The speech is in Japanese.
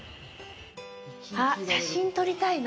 あっ、写真撮りたいな。